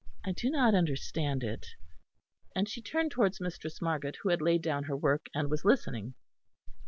I do not understand it." And she turned towards Mistress Margaret who had laid down her work and was listening.